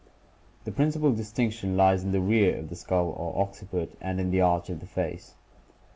The principal distinction lies in the rear of the skull or occi put and in the arch of the face.